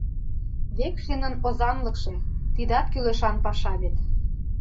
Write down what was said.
«Векшинын озанлыкше» — тидат кӱлешан паша вет.